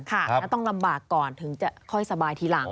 แล้วต้องลำบากก่อนถึงจะค่อยสบายทีหลัง